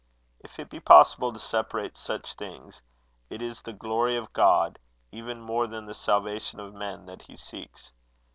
If it be possible to separate such things, it is the glory of God, even more than the salvation of men, that he seeks.